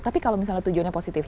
tapi kalau misalnya tujuannya positif